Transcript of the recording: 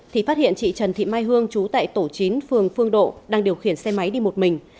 thì phát hiện chị trần thị mai hương chú tại tổ chín phường phương độ đang điều khiển xe máy đi một mình